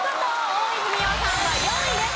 大泉洋さんは４位です。